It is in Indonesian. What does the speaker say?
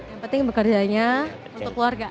yang penting bekerjanya untuk keluarga